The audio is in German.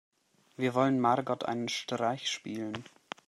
Wir wollen Margot einen Streich spielen.